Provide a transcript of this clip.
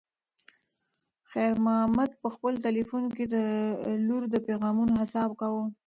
خیر محمد په خپل تلیفون کې د لور د پیغامونو حساب کاوه.